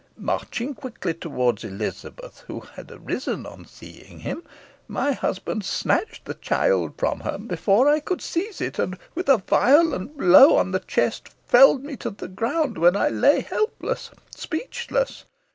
"Marching quickly towards Elizabeth, who had arisen on seeing him, my husband snatched the child from her before I could seize it, and with a violent blow on the chest felled me to the ground, where I lay helpless, speechless.